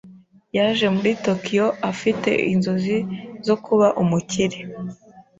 Yaje muri Tokiyo afite inzozi zo kuba umukire.